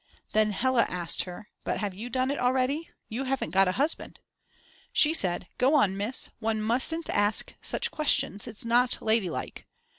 Then Hella asked her: But have you done it already, you haven't got a husband? She said: Go on, Miss! One mustn't ask such questions it's not ladylike.